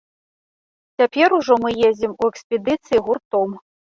Цяпер ужо мы ездзім у экспедыцыі гуртом.